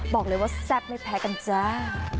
บอกเลยว่าแซ่บไม่แพ้กันจ้า